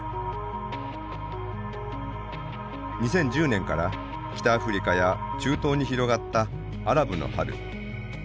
２０１０年から北アフリカや中東に広がったアラブの春。